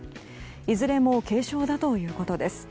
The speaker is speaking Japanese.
いずれも軽傷だということです。